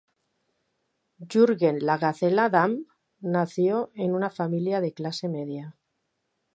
Jürgen "La Gacela" Damm nació en una familia de clase media.